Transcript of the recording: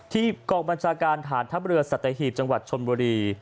ที่กรรมชาการฐานท่าเบลอสติฮีปจังหวัดชลบุรี